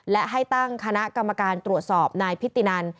และให้ตั้งคณะกรรมการตรวจสอบนายพิตินัน